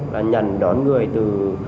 và nhận đón người từ